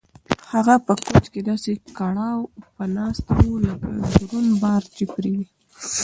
هغه په کوچ کې داسې کړوپه ناسته وه لکه دروند بار چې پرې وي.